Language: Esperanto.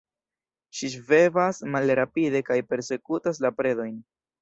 Ĝi ŝvebas malrapide kaj persekutas la predojn.